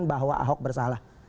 bahwa ahok bersalah